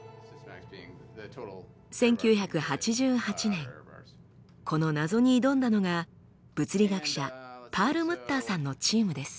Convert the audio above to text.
１９８８年この謎に挑んだのが物理学者パールムッターさんのチームです。